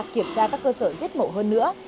kiểm tra các cơ sở giết mổ hơn nữa